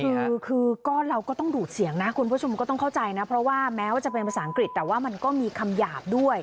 คือก็เราก็ต้องดูดเสียงนะคุณผู้ชมก็ต้องเข้าใจนะเพราะว่าแม้ว่าจะเป็นภาษาอังกฤษแต่ว่ามันก็มีคำหยาบด้วย